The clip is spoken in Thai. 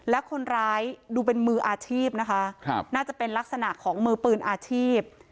และคนร้ายดูเป็นมืออาชีพนะคะน่าจะเป็นลักษณะของมือปืนอาชีพ